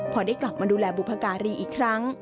พอได้กลับมาดูแลบุพการีอีกครั้ง